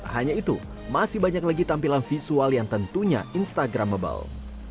hanya itu masih banyak lagi tampilan visual yang tentunya instagramable